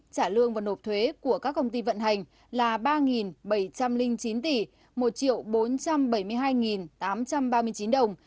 trả lương và nộp thuế của các công ty vận hành là ba bảy trăm linh chín tỷ một bốn trăm bảy mươi hai tám trăm ba mươi chín đồng